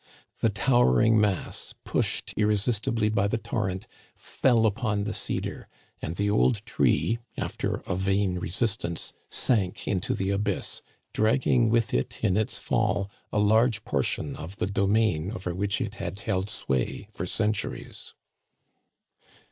The towering mass, pushed irresistibly by the torrent, fell upon the cedar, and the old tree, after a vain resist ance, sank into the abyss, dragging with it in its fall a large portion of the domain over which it had held sway for centuries.